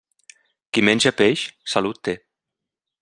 Qui menja peix, salut té.